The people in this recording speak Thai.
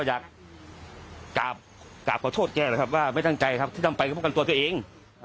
อยากกราบขอโทษแกนะครับว่าไม่ตั้งใจครับที่ทำไปก็ป้องกันตัวตัวเอง